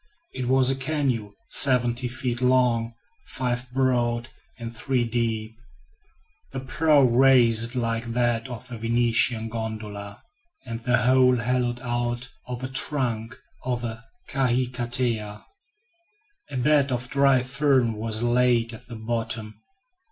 It was a canoe seventy feet long, five broad, and three deep; the prow raised like that of a Venetian gondola, and the whole hollowed out of a trunk of a kahikatea. A bed of dry fern was laid at the bottom.